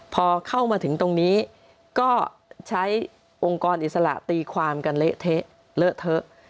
พอเข้ามาถึงตรงนี้ก็ใช้องค์กรอิสระตีความกันเละเทะเลอะเทอะ